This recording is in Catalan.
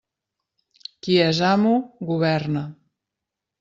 Qui és amo, governa.